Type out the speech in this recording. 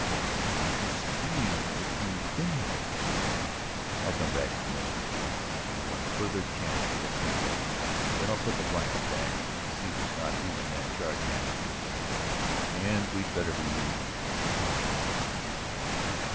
"But they'll see that you have been here. ..." "I'll come back in a minute with the lantern; I want a further chance to look things over. Then I'll put the blanket back and see that not even that charred match gives us away. And we'd better be eating and getting started."